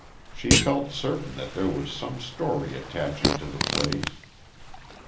She felt certain that there was some story attaching to the place.